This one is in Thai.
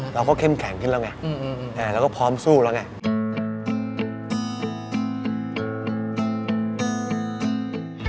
เราก็เข้มแข็งขึ้นแล้วไงแล้วก็พร้อมสู้แล้วไง